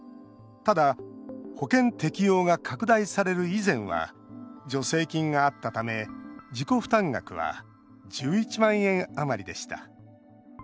ただ、保険適用が拡大される以前は助成金があったため自己負担額は１１万円余りでした。